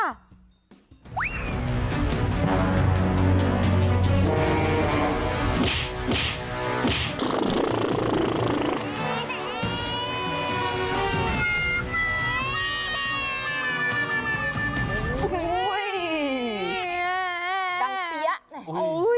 อุ๊ยดังเปี๊ยะ